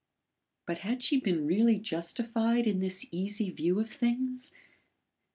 But had she been really justified in this easy view of things?